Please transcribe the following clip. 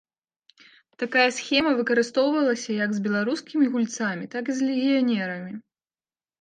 Такая схема выкарыстоўвалася як з беларускімі гульцамі, так і з легіянерамі.